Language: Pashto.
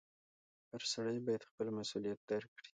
• هر سړی باید خپل مسؤلیت درک کړي.